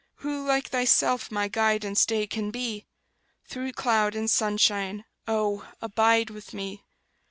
Who like Thyself my guide and stay can be? Through cloud and sunshine, oh, abide with me!